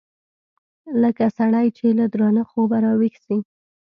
لکه سړى چې له درانه خوبه راويښ سي.